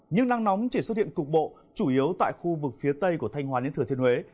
nhưng nắng nóng chỉ xuất hiện cục bộ chủ yếu tại khu vực phía tây của thanh hòa đến thừa thiên huế